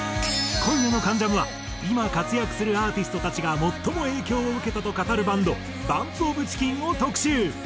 今夜の『関ジャム』は今活躍するアーティストたちが最も影響を受けたと語るバンドＢＵＭＰＯＦＣＨＩＣＫＥＮを特集！